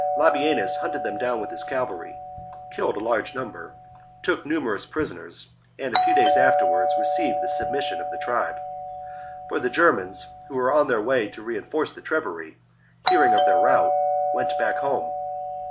Labienus hunted them down with his cavalry, killed a large number, took numerous prisoners, and a few days afterwards received the submission of the tribe ; for the Germans, who were on their way to reinforce the Treveri, hearing of their rout, went back home.